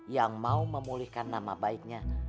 yang mau memulihkan nama baiknya